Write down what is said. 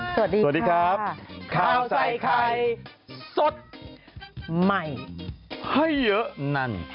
สวัสดีครับข้าวใส่ไข่สดใหม่ให้เยอะนั่น